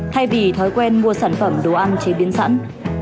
thay vì thói quen mua sản phẩm đồ ăn chế biến sẵn